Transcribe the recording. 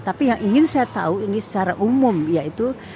tapi yang ingin saya tahu ini secara umum yaitu